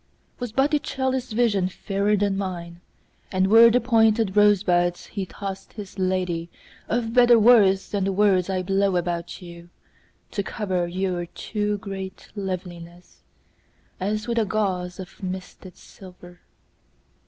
Was Botticelli's visionFairer than mine; And were the pointed rosebudsHe tossed his ladyOf better worthThan the words I blow about youTo cover your too great lovelinessAs with a gauzeOf misted silver?